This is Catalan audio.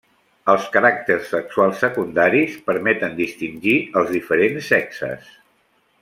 Els caràcters sexuals secundaris permeten distingir els diferents sexes.